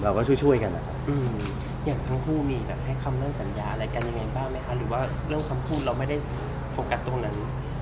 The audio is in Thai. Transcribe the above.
อย่างทั้งคู่มีแบบให้คำเรื่องสัญญาอะไรกันยังไงบ้างไหมคะหรือว่าเรื่องคำพูดเราไม่ได้โฟกัสตรงนั้น